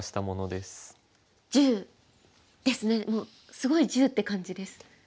もうすごい１０って感じです。